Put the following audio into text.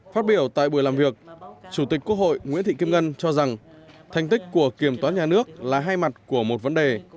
phát biểu tại buổi làm việc chủ tịch quốc hội nguyễn thị kim ngân cho rằng thành tích của kiểm toán nhà nước là hai mặt của một vấn đề